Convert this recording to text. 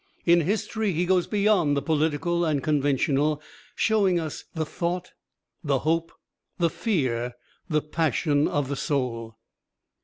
In history he goes beyond the political and conventional showing us the thought, the hope, the fear, the passion of the soul.